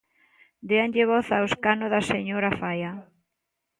Déanlle voz ao escano da señora Faia.